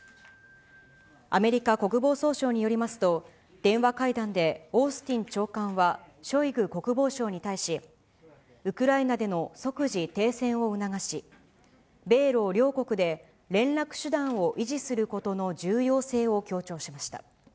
アメリカ国防総省によりますと、電話会談でオースティン長官はショイグ国防相に対し、ウクライナでの即時停戦を促し、米ロ両国で連絡手段を維持することの重要性を強調しました。